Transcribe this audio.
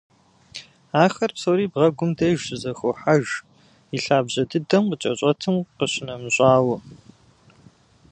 Ахэр псори бгъэгум деж щызэхохьэж, и лъабжьэ дыдэм къыкӏэщӏэтым къищынэмыщӏауэ.